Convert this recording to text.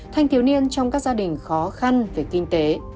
thanh thiếu niên trong các gia đình khó khăn về kinh tế